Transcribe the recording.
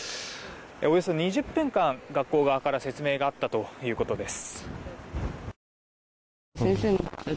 およそ２０分間、学校側から説明があったということです。